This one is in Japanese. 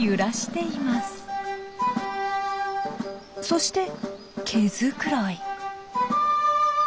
そして毛づくろい。